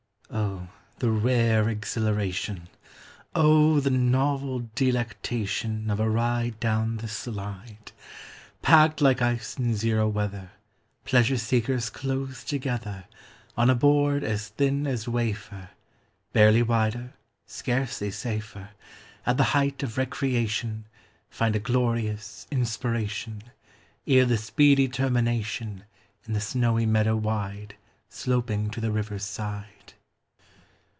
Oh, the rare exhilaration, Oh, the novel delectation Of a ride down the slide! Packed like ice in zero weather, Pleasure seekers close together, On a board as thin as wafer, Barely wider, scarcely safer, At the height of recreation Find a glorious inspiration, Ere the speedy termination In the snowy meadow wide, Sloping to the river's side.